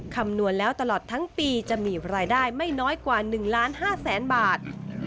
คำนวณแล้วตลอดทั้งปีจะมีรายได้ไม่น้อยกว่า๑ล้าน๕แสนบาท